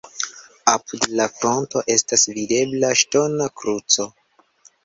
Apud la fronto estas videbla ŝtona kruco.